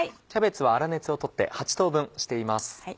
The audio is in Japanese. キャベツは粗熱をとって８等分しています。